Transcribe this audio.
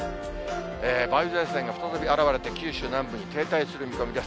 梅雨前線が再び現れて、九州南部に停滞する見込みです。